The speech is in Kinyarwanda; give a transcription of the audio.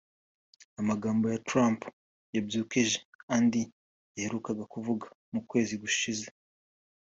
Amagambo ya Trump yabyukije andi yaherukaga kuvuga mu kwezi gushize